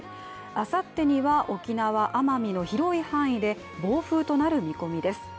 あさってには沖縄・奄美の広い範囲で暴風となる見込みです。